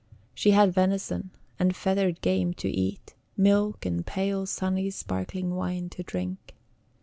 She had venison and feathered game to eat, milk and pale sunny sparkling wine to drink.